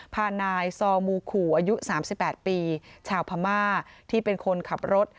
พานายซอมูขู่อายุ๓๘ปีชาวพม่าที่เป็นคนขับรถ